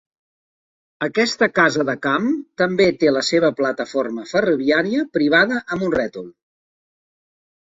Aquesta casa de camp també té la seva plataforma ferroviària privada amb un rètol.